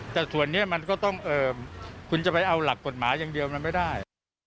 แต่ส่วนนี้มันก็ต้องคุณจะไปเอาหลักกฎหมายอย่างเดียวมันไม่ได้